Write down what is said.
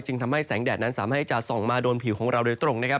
จึงทำให้แสงแดดนั้นสามารถจะส่องมาโดนผิวของเราได้ตรง